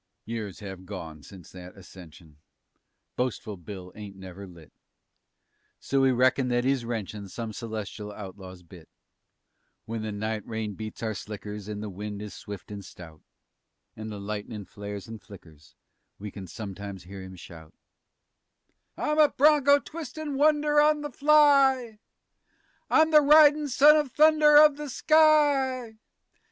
_" Years have gone since that ascension. Boastful Bill ain't never lit, So we reckon that he's wrenchin' Some celestial outlaw's bit. When the night rain beats our slickers And the wind is swift and stout And the lightnin' flares and flickers, We kin sometimes hear him shout "I'm a bronco twistin' wonder on the fly; _I'm the ridin' son of thunder of the sky.